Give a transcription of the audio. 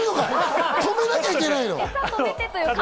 止めなきゃいけないの？